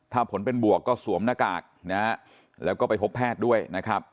ถ้าผลเป็นบวกก็สวมหน้ากากนะฮะแล้วก็ไปพบแพทย์ด้วยนะครับ